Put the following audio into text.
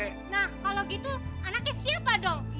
nah kalau gitu anaknya siapa dong